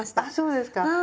あそうですか。